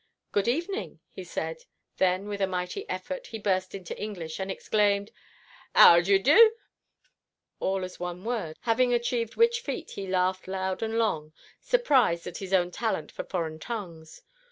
"Good evening," he said. Then, with a mighty effort, he burst into English, and exclaimed, "'Owderyoudo?" all as one word, having achieved which feat he laughed long and loud, surprised at his own talent for foreign tongues.